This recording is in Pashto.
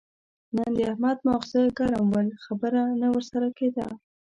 نن د احمد ماغزه ګرم ول؛ خبره نه ور سره کېده.